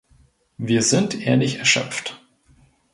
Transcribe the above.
Wir sind ehrlich erschöpft.